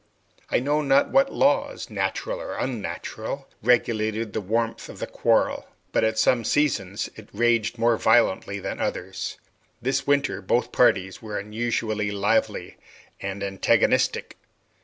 I know not what laws, natural or unnatural, regulated the warmth of the quarrel; but at some seasons it raged more violently than at others. This winter both parties were unusually lively and antagonistic.